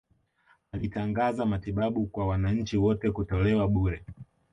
Alitangaza matibabu kwa wananchi wote kutolewa bure